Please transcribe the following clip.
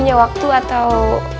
biar kita hai